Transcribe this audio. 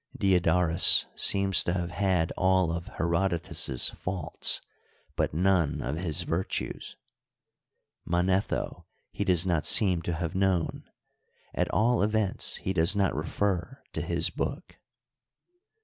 Diodorus seems to have had all of Herodotus's faults but none of his virtues. Manetho he does not seem to have known ; at all events he does not refer to his book.